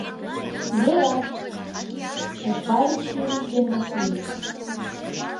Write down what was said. — Йӧра, — ыштальыч Юрик ден Васлий.